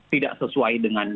tidak sesuai dengan